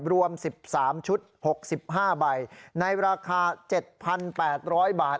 รวม๑๓ชุด๖๕ใบในราคา๗๘๐๐บาท